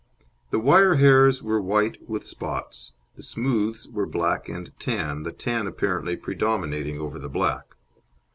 The wire hairs were white with spots, the smooths were black and tan, the tan apparently predominating over the black.